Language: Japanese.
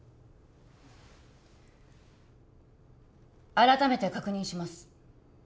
改めて確認します